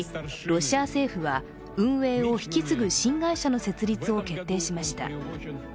ロシア政府は、運営を引き継ぐ新会社の設立を決定しました。